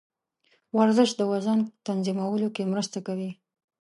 ورزش د وزن تنظیمولو کې مرسته کوي.